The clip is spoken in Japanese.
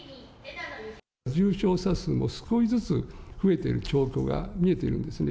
重症者数も少しずつ増えている兆候が見えているんですね。